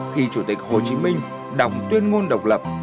khi chủ tịch hồ chí minh đọc tuyên ngôn độc lập